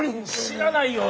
知らないよ。